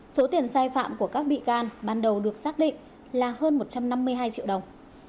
số tiền sai phạm của các bị can ban đầu được xác định là hơn một trăm năm mươi hai triệu đồng